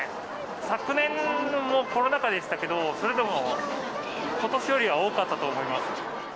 昨年もコロナ禍でしたけど、それでもことしよりは多かったと思います。